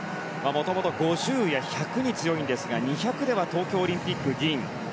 もともと５０や１００に強いんですが２００では東京オリンピック銀。